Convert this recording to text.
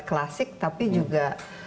klasik tapi juga